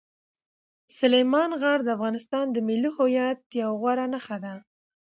سلیمان غر د افغانستان د ملي هویت یوه غوره نښه ده.